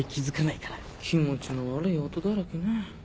気持ちの悪い音だらけね。